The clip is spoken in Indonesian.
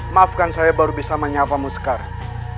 maafkan saya baru bisa menyapamu sekarang